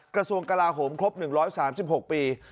กระทรวงกลาโหมครบ๑๓๖ปี